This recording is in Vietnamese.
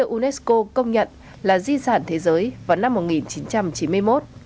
unesco công nhận là di sản thế giới vào năm một nghìn chín trăm chín mươi một